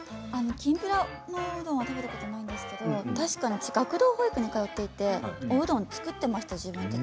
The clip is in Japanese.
きんぴらうどんを食べたことないんですけれども確かに学童保育に私、通っていて自分たちでおうどん作っていました。